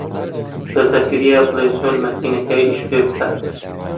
بە زەکەریا بڵێ چۆن مەکینەکە ئیش پێ بکات.